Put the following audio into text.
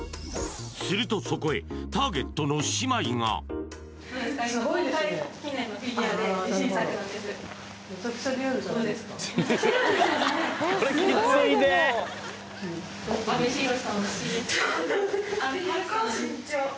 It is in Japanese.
するとそこへターゲットの姉妹がどうですか？